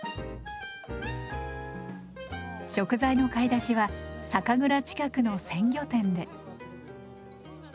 食材の買い出しは酒蔵近くの鮮魚店で。